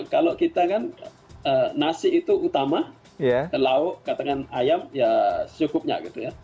kalau kita kan nasi itu utama lauk katakan ayam ya secukupnya gitu ya